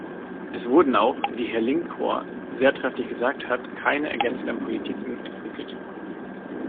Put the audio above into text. Es wurden auch, wie Herr Linkohr sehr trefflich gesagt hat, keine ergänzenden Politiken entwickelt.